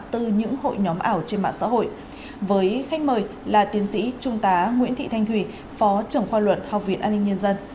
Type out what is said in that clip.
từ những hội nhóm ảo trên mạng xã hội với khách mời là tiến sĩ trung tá nguyễn thị thanh thùy phó trưởng khoa luật học viện an ninh nhân dân